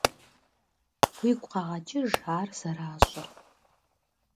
Уигу къэгъэкӀыж ар зэращӀыр.